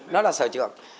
nó là sở trường